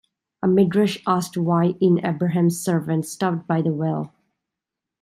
A Midrash asked why, in Abraham's servant stopped by the well.